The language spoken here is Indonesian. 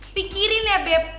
pikirin ya beb